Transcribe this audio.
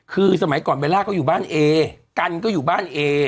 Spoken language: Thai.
คือสมัยก่อนเบลล่าก็อยู่บ้านเอกันก็อยู่บ้านเอ